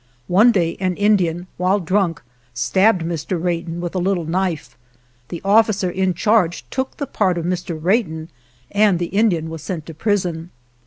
One day an Indian, while drunk, stabbed Mr. Wratton with a little knife. The officer in charge took the part of Mr. Wratton and the Indian was sent to prison.